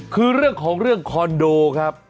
คือเรื่องของเรื่องคอนโดครับ